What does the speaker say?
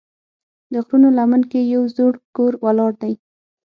د غرونو لمن کې یو زوړ کور ولاړ دی.